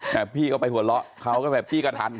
แต่พี่ก็ไปหัวเราะเขาก็แบบพี่กระทัน